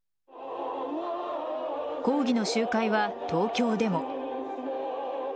抗議の集会は東京でも。